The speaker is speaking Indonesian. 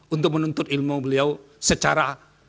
untuk menuntut ilmu beliau secara